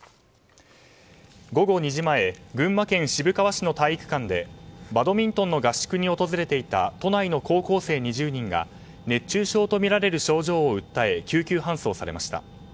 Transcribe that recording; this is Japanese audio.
午後２時前群馬県渋川市の体育館でバドミントンの合宿に訪れていた都内の高校生２０人が熱中症とみられる症状を訴え救急搬送されました。